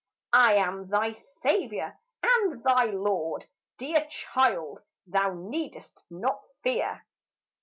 "I am thy Savior and thy Lord; Dear child, thou need'st not fear.